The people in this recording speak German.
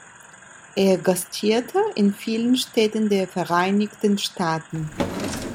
Er gastierte in vielen Städten der Vereinigten Staaten.